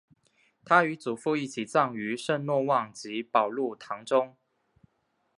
他与祖父一起葬于圣若望及保禄堂中。